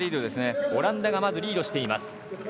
オランダがまずリードしています。